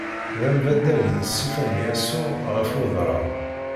D ambaddal n ṣṣifa n Yasuɛ ɣef udrar.